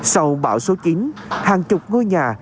sau bão số chín hàng chục ngôi nhà